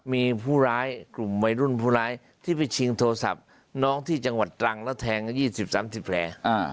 มีผู้ร้ายกลุ่มวัยรุ่นผู้ร้ายที่ไปชิงโทรศัพท์น้องที่จังหวัดตรังแล้วแทง๒๐๓๐แผล